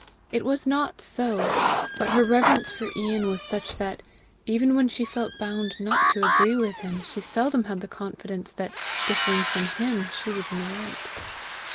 It was not so; but her reverence for Ian was such that, even when she felt bound not to agree with him, she seldom had the confidence that, differing from HIM, she was in the right.